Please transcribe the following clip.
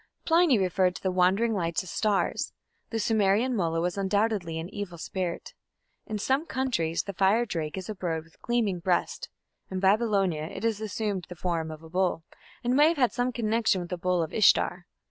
Pliny referred to the wandering lights as stars. The Sumerian "mulla" was undoubtedly an evil spirit. In some countries the "fire drake" is a bird with gleaming breast: in Babylonia it assumed the form of a bull, and may have had some connection with the bull of lshtar.